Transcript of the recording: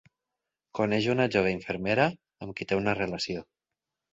Coneix una jove infermera amb qui té una relació.